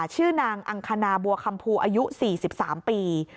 ชื่อนางอังคณาบัวคำภูอายุ๔๓ปี